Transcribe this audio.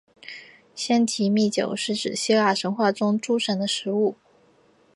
仙馔密酒是指希腊神话中诸神的食物。